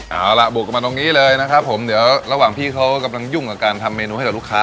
เอาล่ะบุกกันมาตรงนี้เลยนะครับผมเดี๋ยวระหว่างพี่เขากำลังยุ่งกับการทำเมนูให้กับลูกค้า